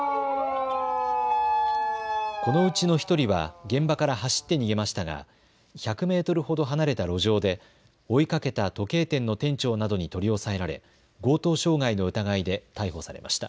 このうちの１人は現場から走って逃げましたが１００メートルほど離れた路上で追いかけた時計店の店長などに取り押さえられ強盗傷害の疑いで逮捕されました。